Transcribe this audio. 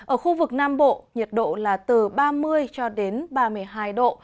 ở khu vực nam bộ nhiệt độ là từ ba mươi ba mươi hai độ